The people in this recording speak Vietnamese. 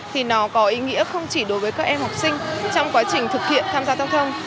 thì nó có ý nghĩa không chỉ đối với các em học sinh trong quá trình thực hiện tham gia giao thông